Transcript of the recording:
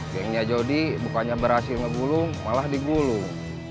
gengnya jody bukannya berhasil ngegulung malah digulung